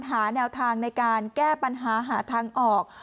หาแนวทางในการแก้ปัญหาหาทางออก